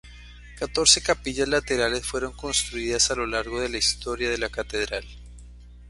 Catorce capillas laterales fueron construidas a lo largo de la historia de la catedral.